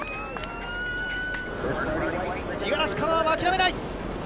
五十嵐カノアは諦めない。